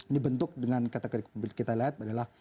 dibentuk dengan kata kata kita lihat adalah